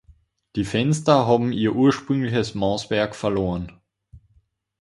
Die Fenster haben ihr ursprüngliches Maßwerk verloren.